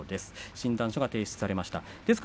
診断書が掲出されました。